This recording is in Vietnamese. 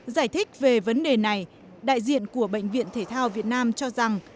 giải thích về vấn đề này đại diện của bệnh viện thể thao việt nam cho rằng